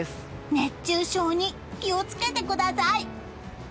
熱中症に気をつけてください。